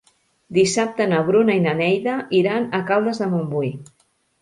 Dissabte na Bruna i na Neida iran a Caldes de Montbui.